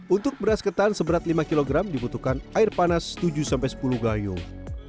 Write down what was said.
untuk beras ketan seberat lima kg dibutuhkan air panas tujuh sepuluh gayung